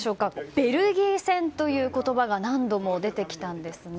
ベルギー戦という言葉が何度も出てきたんですね。